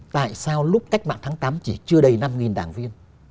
tại sao lúc cách mạng tháng tám chỉ chưa đầy năm đảng viên